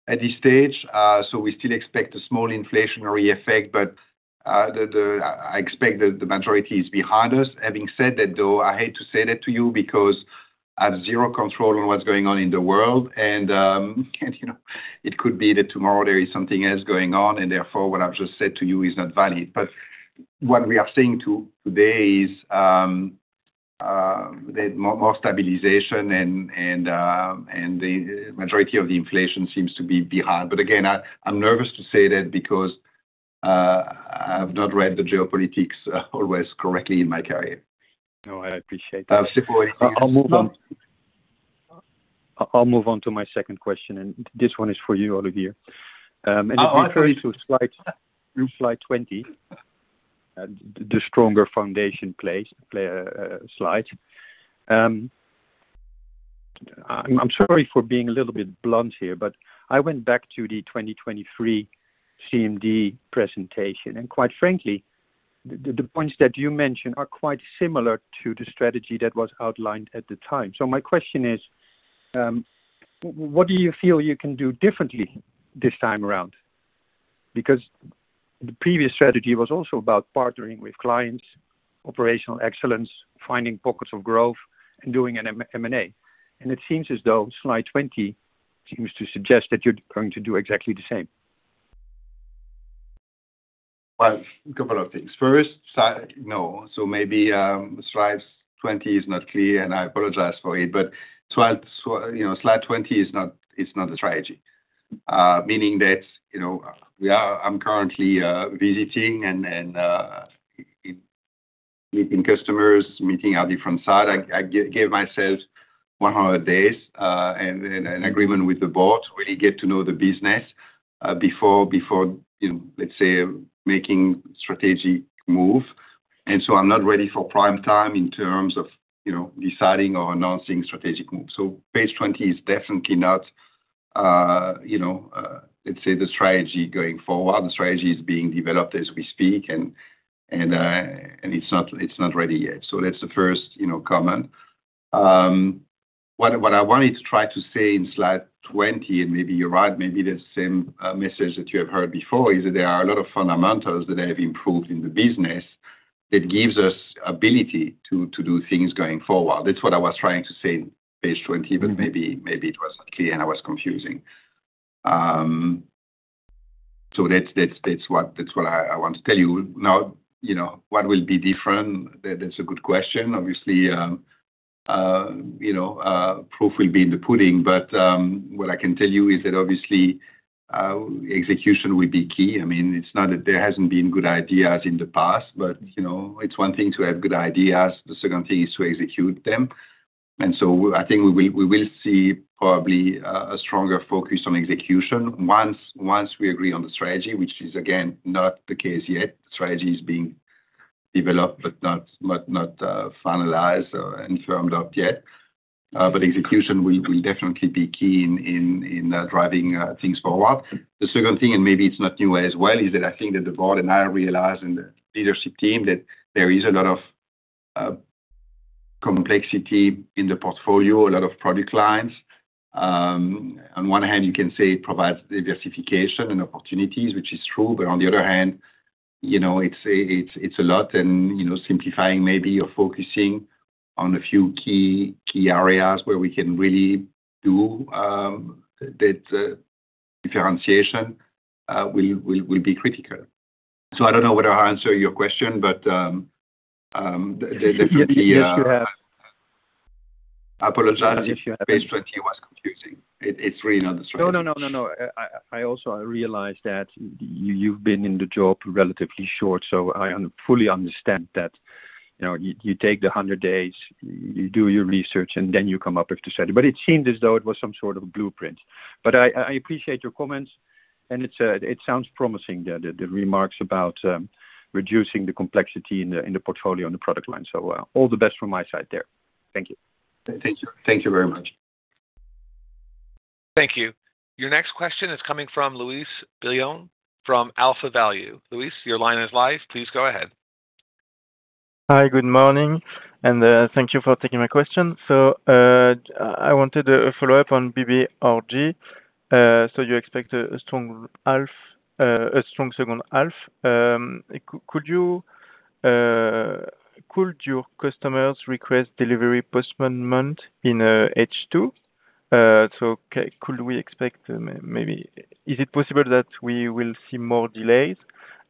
at this stage. We still expect a small inflationary effect, but I expect that the majority is behind us. Having said that, though, I hate to say that to you because I have zero control on what's going on in the world. It could be that tomorrow there is something else going on, and therefore, what I've just said to you is not valid. What we are seeing today is more stabilization and the majority of the inflation seems to be behind. Again, I'm nervous to say that because I've not read the geopolitics always correctly in my career. I appreciate that. Seppo, anything else? I'll move on to my second question, and this one is for you, Olivier. If we turn to slide 20, the stronger foundation slide. I'm sorry for being a little bit blunt here, but I went back to the 2023 CMD presentation, and quite frankly, the points that you mention are quite similar to the strategy that was outlined at the time. My question is, what do you feel you can do differently this time around? The previous strategy was also about partnering with clients, operational excellence, finding pockets of growth, and doing an M&A. It seems as though slide 20 seems to suggest that you're going to do exactly the same. A couple of things. First, no. Maybe slide 20 is not clear, and I apologize for it. Slide 20 is not the strategy. Meaning that I'm currently visiting and meeting customers, meeting our different side. I gave myself 100 days and an agreement with the Board, really get to know the business before, let's say, making strategic moves. I'm not ready for prime time in terms of deciding or announcing strategic moves. Page 20 is definitely not, let's say, the strategy going forward. The strategy is being developed as we speak, and it's not ready yet. That's the first comment. What I wanted to try to say in slide 20, and maybe you're right, maybe the same message that you have heard before is that there are a lot of fundamentals that have improved in the business that gives us ability to do things going forward. That's what I was trying to say in page 20, but maybe it was not clear, and I was confusing. That's what I want to tell you. Now, what will be different? That's a good question. Obviously, a proof will be in the pudding. What I can tell you is that obviously, execution will be key. It's not that there hasn't been good ideas in the past, but it's one thing to have good ideas. The second thing is to execute them. I think we will see probably a stronger focus on execution once we agree on the strategy, which is, again, not the case yet. The strategy is being developed but not finalized and firmed up yet. Execution will definitely be key in driving things forward. The second thing, and maybe it's not new as well, is that I think that the Board and I realize in the leadership team that there is a lot of complexity in the portfolio, a lot of product lines. On one hand, you can say it provides diversification and opportunities, which is true. On the other hand, it's a lot and simplifying maybe or focusing on a few key areas where we can really do that differentiation will be critical. I don't know whether I answered your question, but definitely. I apologize if page 20 was confusing. It's really not. I also realized that you've been in the job relatively short, so I fully understand that. You take the 100 days, you do your research, then you come up with the study. It seemed as though it was some sort of blueprint. I appreciate your comments, and it sounds promising, the remarks about reducing the complexity in the portfolio and the product line. All the best from my side there. Thank you. Thank you. Thank you very much. Thank you. Your next question is coming from Louis Billon from AlphaValue. Louis, your line is live. Please go ahead. Hi. Good morning, and thank you for taking my question. I wanted a follow-up on BBRG. You expect a strong second half. Could your customers request delivery postponement in H2? Could we expect- maybe is it possible that we will see more delays?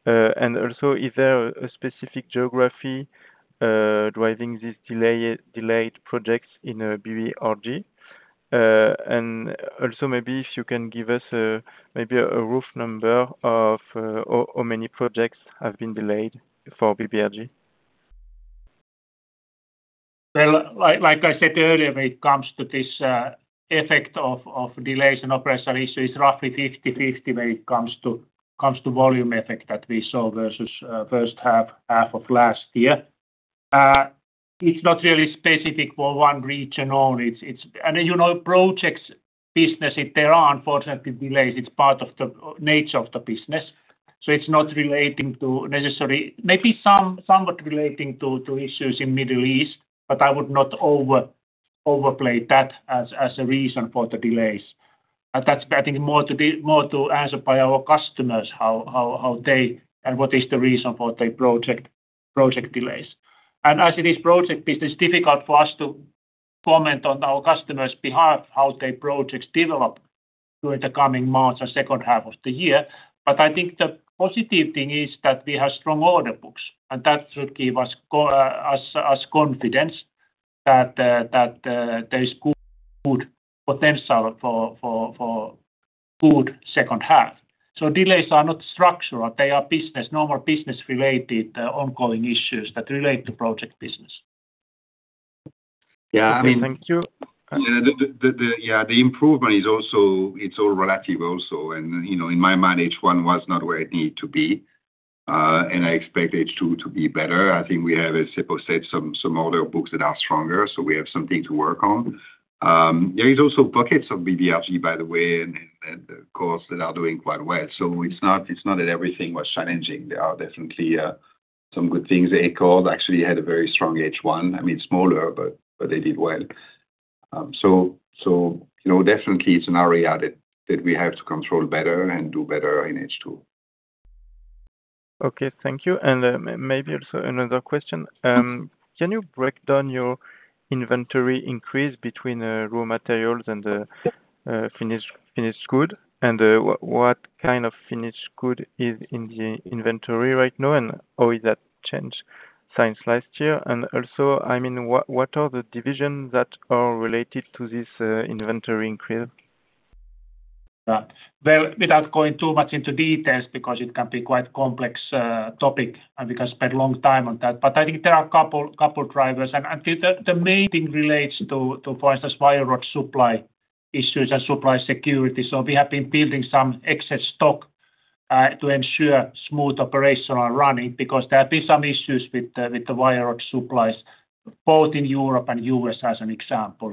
Is there a specific geography driving these delayed projects in BBRG? Maybe if you can give us a rough number of how many projects have been delayed for BBRG. Well, like I said earlier, when it comes to this effect of delays and operational issues, roughly 50/50 when it comes to volume effect that we saw versus first half of last year. It's not really specific for one region only and regional projects business, if there are unfortunately delays, it's part of the nature of the business. It's not relating to. Maybe somewhat relating to issues in Middle East, but I would not overplay that as a reason for the delays. That's I think more to answer by our customers, how they, and what is the reason for their project delays. As it is project business, difficult for us to comment on our customers' behalf, how their projects develop during the coming months or second half of the year. I think the positive thing is that we have strong order books, and that should give us confidence that there is good potential for good second half. Delays are not structural. They are normal business-related ongoing issues that relate to project business. Yeah. Thank you. Yeah. The improvement is all relative also. In my mind, H1 was not where it needed to be. I expect H2 to be better. I think we have, as Seppo said, some order books that are stronger so we have something to work on. There is also pockets of BBRG, by the way, and cords that are doing quite well. It's not that everything was challenging. There are definitely some good things there. Advanced Cords actually had a very strong H1. I mean, smaller, but they did well. Definitely it's an area that we have to control better and do better in H2. Thank you. Maybe also another question. Can you break down your inventory increase between raw materials and the finished good? What kind of finished good is in the inventory right now, and how is that changed since last year? What are the divisions that are related to this inventory increase? Well, without going too much into details, because it can be quite complex topic, and we can spend a long time on that, but I think there are a couple of drivers. The main thing relates to, for instance, wire rod supply issues and supply security. We have been building some excess stock to ensure smooth operational running because there have been some issues with the wire rod supplies both in Europe and U.S., as an example.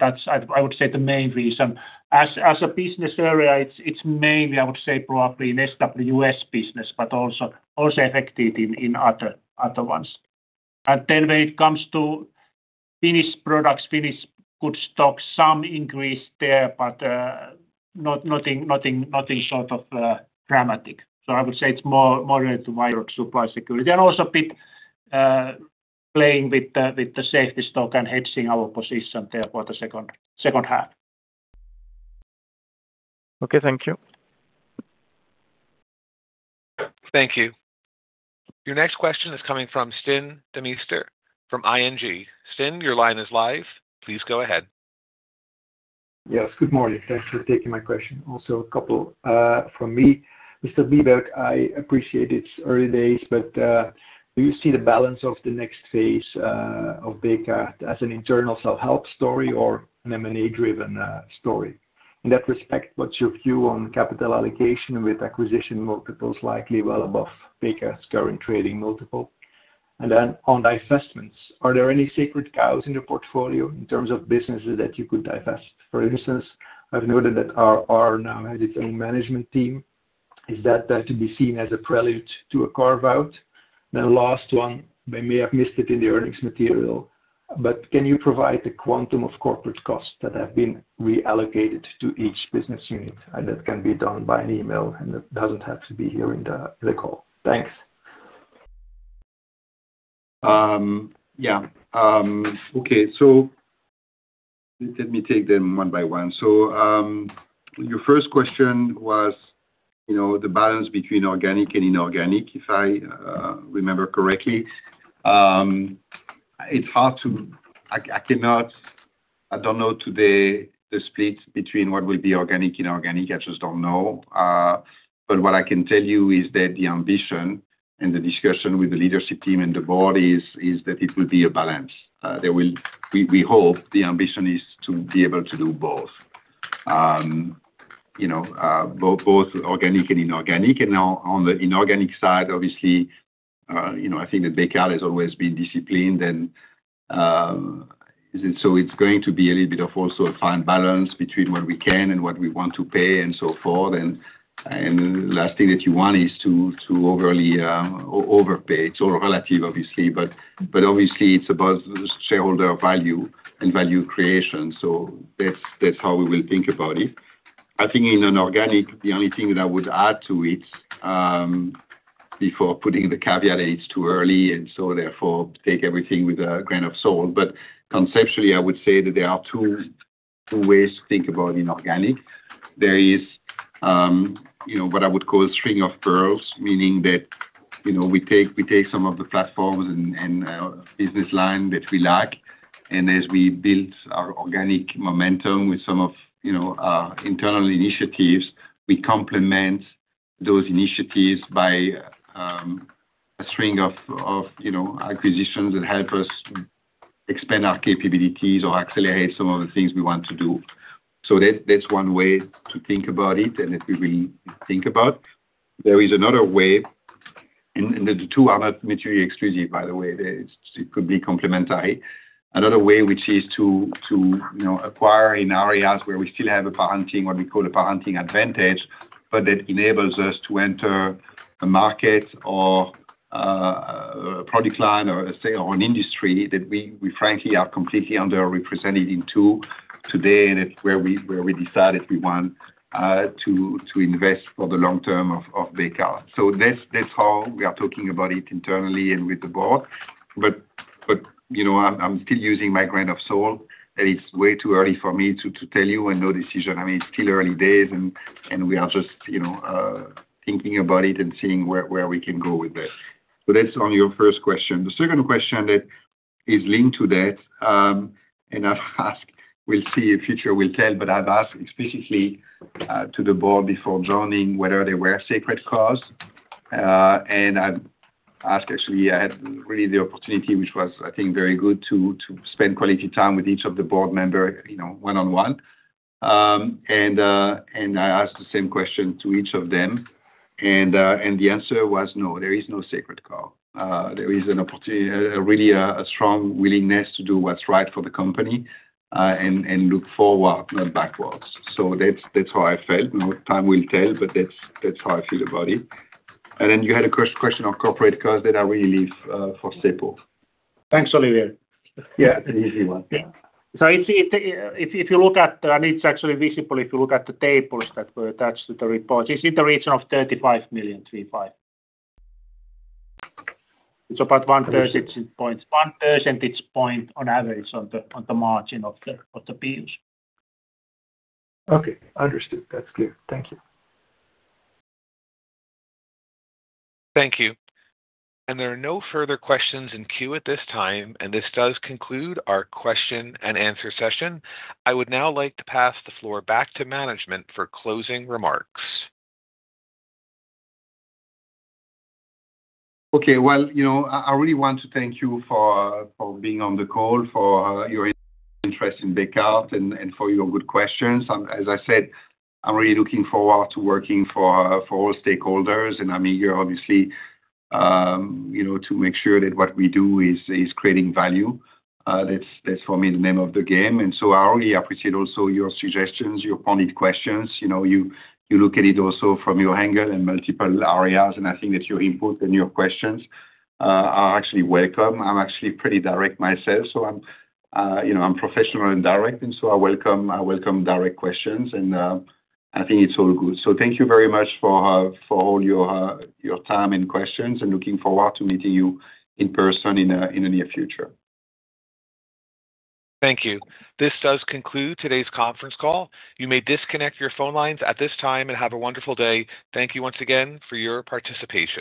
That's, I would say, the main reason. As a business area, it's mainly, I would say, probably in SWS business, but also affected in other ones. When it comes to finished products, finished good stock, some increase there, but nothing sort of dramatic. I would say it's more related to wire rod supply security than also bit playing with the safety stock and hedging our position there for the second half. Okay. Thank you. Thank you. Your next question is coming from Stijn Demeester from ING. Stijn, your line is live. Please go ahead. Yes. Good morning. Thanks for taking my question. Also a couple from me. Mr. Biebuyck, I appreciate it's early days, but do you see the balance of the next phase of Bekaert as an internal self-help story or an M&A-driven story? In that respect, what's your view on capital allocation with acquisition multiples likely well above Bekaert's current trading multiple? On divestments, are there any sacred cows in the portfolio in terms of businesses that you could divest? For instance, I've noted that RR now has its own management team. Is that to be seen as a prelude to a carve-out? Last one, I may have missed it in the earnings material, but can you provide the quantum of corporate costs that have been reallocated to each business unit? That can be done by an email, and it doesn't have to be here in the call. Thanks. Okay. Let me take them one by one. Your first question was The balance between organic and inorganic, if I remember correctly. I don't know today the split between what will be organic, inorganic, I just don't know. What I can tell you is that the ambition and the discussion with the leadership team and the Board is that it will be a balance. We hope the ambition is to be able to do both. Both organic and inorganic. On the inorganic side, obviously I think that Bekaert has always been disciplined and it's going to be a little bit of also a fine balance between what we can and what we want to pay and so forth. The last thing that you want is to overpay. It's all relative obviously, but obviously it's about shareholder value and value creation. That's how we will think about it. I think the only thing that I would add to it, before putting the caveat that it's too early, and so therefore take everything with a grain of salt. Conceptually, I would say that there are two ways to think about inorganic. There is what I would call a string of pearls, meaning that we take some of the platforms and business line that we like, and as we build our organic momentum with some of our internal initiatives, we complement those initiatives by a string of acquisitions that help us expand our capabilities or accelerate some of the things we want to do. That's one way to think about it, and that we will think about. There is another way, and the two are not mutually exclusive, by the way. It could be complementary. Another way which is to acquire in areas where we still have a patenting, what we call a patenting advantage, that enables us to enter a market or a product line or an industry that we frankly are completely underrepresented into today, and it's where we decided we want to invest for the long term of Bekaert. That's how we are talking about it internally and with the Board but I'm still using my grain of salt, that it's way too early for me to tell you and no decision. It's still early days and we are just thinking about it and seeing where we can go with it. That's on your first question. The second question that is linked to that, and I've asked, we'll see, future will tell, but I've asked explicitly to the Board before joining, whether there were sacred cows. I've asked, actually, I had really the opportunity, which was, I think, very good to spend quality time with each of the Board member one-on-one. I asked the same question to each of them, and the answer was no. There is no sacred cow. There is really a strong willingness to do what's right for the company, and look forward, not backwards. That's how I felt. Time will tell, that's how I feel about it. And then you had a question on corporate costs that I will leave for Seppo. Thanks, Olivier. Yeah. An easy one. If you look at, and it's actually visible if you look at the tables that were attached to the report, it's in the region of 35 million. It's about 1 percentage point on average on the margin of the BUs. Understood. That's clear. Thank you. Thank you. There are no further questions in queue at this time, and this does conclude our question-and-answer session. I would now like to pass the floor back to management for closing remarks. Well, I really want to thank you for being on the call, for your interest in Bekaert and for your good questions. As I said, I'm really looking forward to working for all stakeholders, and I'm here obviously to make sure that what we do is creating value. That's for me, the name of the game. I really appreciate also your suggestions, your pointed questions. You look at it also from your angle in multiple areas, and I think that your input and your questions are actually welcome. I'm actually pretty direct myself, so I'm professional and direct, and so I welcome direct questions and I think it's all good. Thank you very much for all your time and questions, and looking forward to meeting you in-person in the near future. Thank you. This does conclude today's conference call. You may disconnect your phone lines at this time, and have a wonderful day. Thank you once again for your participation